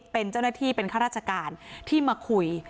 เป็นเจ้าหน้าที่เป็นข้าราชการที่มาคุย